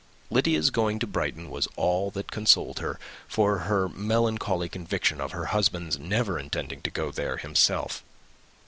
Lydia's going to Brighton was all that consoled her for the melancholy conviction of her husband's never intending to go there himself.